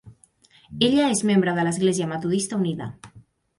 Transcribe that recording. Ella és membre de l'Església Metodista Unida.